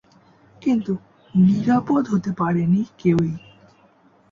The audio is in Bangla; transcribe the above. কিন্তু নিরাপদ হতে পারেনি কেউই।